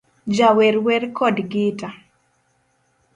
Jawer wer kod gita